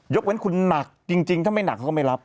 เว้นคุณหนักจริงถ้าไม่หนักเขาก็ไม่รับ